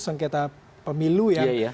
sengketa pemilu yang